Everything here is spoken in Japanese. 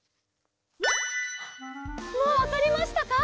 もうわかりましたか？